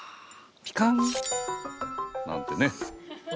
ピカン！なんてね。